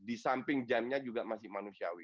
di samping jam nya juga masih manusiawi